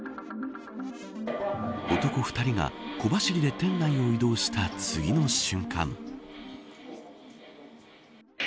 男２人が小走りで店内を移動した次の瞬間。